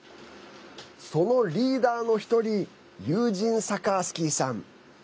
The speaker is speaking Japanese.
そのリーダーの１人ユージン・サカースキーさん。